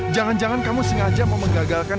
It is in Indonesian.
jangan jangan kamu sengaja mau menggagalkan